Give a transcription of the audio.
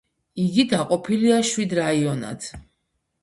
იგი დაყოფილია შვიდ რაიონად.